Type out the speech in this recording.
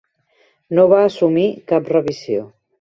No va assumir cap revisió.